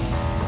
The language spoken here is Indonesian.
om juga mau ya